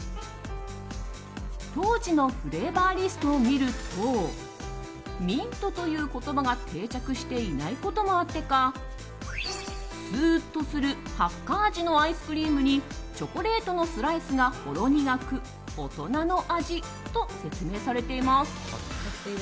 当時のフレーバーリストを見るとミントという言葉が定着していないこともあってかスーッとするハッカ味のアイスクリームにチョコレートのスライスがほろ苦く大人の味と説明されています。